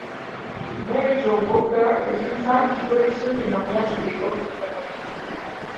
Mary Jo Walker est une femme qui collectionne les mariages et autres aventures.